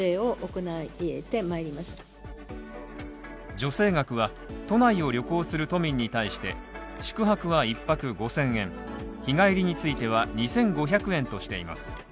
助成額は、都内を旅行する都民に対して、宿泊は１泊５０００円、日帰りについては２５００円としています。